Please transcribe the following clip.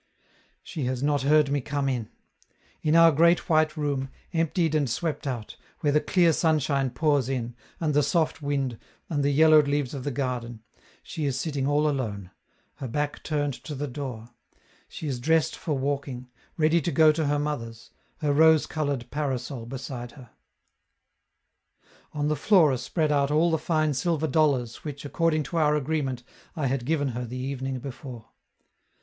She has not heard me come in. In our great white room, emptied and swept out, where the clear sunshine pours in, and the soft wind, and the yellowed leaves of the garden, she is sitting all alone, her back turned to the door; she is dressed for walking, ready to go to her mother's, her rose colored parasol beside her. On the floor are spread out all the fine silver dollars which, according to our agreement, I had given her the evening before.